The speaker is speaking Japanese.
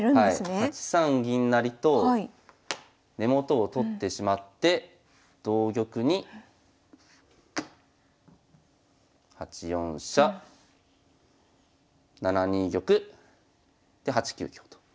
８三銀成と根元を取ってしまって同玉に８四飛車７二玉で８九香と。